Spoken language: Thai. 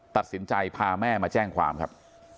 ตัดสินใจพาแม่มาแจ้งความครับ